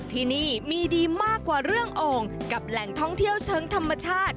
ที่นี่มีดีมากกว่าเรื่องโอ่งกับแหล่งท่องเที่ยวเชิงธรรมชาติ